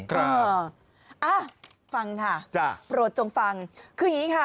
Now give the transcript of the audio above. ครับฟังค่ะโปรดจงฟังคืออย่างนี้ค่ะ